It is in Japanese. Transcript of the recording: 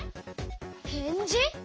へんじ？